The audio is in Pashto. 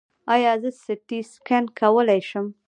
ایا زه سټي سکن کولی شم؟